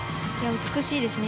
美しいですね。